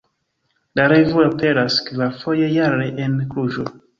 La revuo aperas kvarfoje jare en Kluĵo.